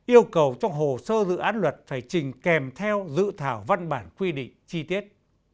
yêu cầu trong hồ sơ dự án luật phải trình kèm theo dự thảo văn bản quy định chi tiết